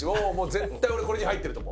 絶対俺これに入ってると思う。